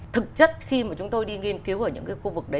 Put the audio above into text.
thực chất khi mà chúng tôi đi nghiên cứu ở những cái khu vực đấy